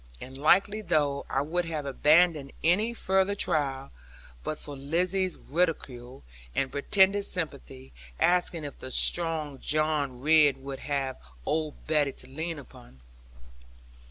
And likely enough I would have abandoned any further trial, but for Lizzie's ridicule, and pretended sympathy; asking if the strong John Ridd would have old Betty to lean upon.